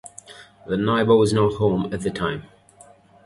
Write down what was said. The neighbor was not home at the time.